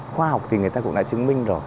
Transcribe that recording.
khoa học thì người ta cũng đã chứng minh rồi